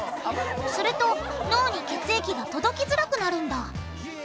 すると脳に血液が届きづらくなるんだ。